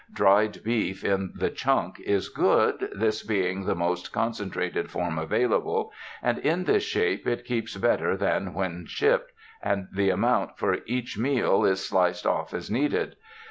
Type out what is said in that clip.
Dried beef in the ''chunk" is good, this being the most concen trated form available, and in this shape it keeps better than when chipped, and the amount for each meal is sliced off as needed.